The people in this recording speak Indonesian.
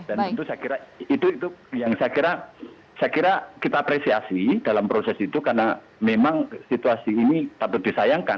dan itu saya kira itu yang saya kira kita apresiasi dalam proses itu karena memang situasi ini patut disayangkan